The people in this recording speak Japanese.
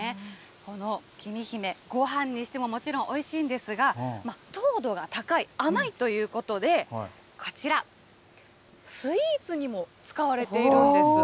このきみひめ、ごはんにしてももちろんおいしいんですが、糖度が高い、甘いということで、こちら、スイーツにも使われているんです。